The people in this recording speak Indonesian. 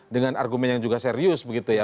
dengan argumen yang juga serius begitu ya